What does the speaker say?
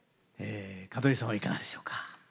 門井さんはいかがでしょうか。